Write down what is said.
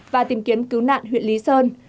và tìm kiến cứu nạn huyện lý sơn